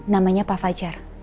namanya pak fajar